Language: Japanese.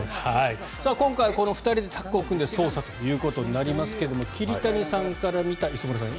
今回、この２人でタッグを組んで捜査となりますが桐谷さんから見た磯村さん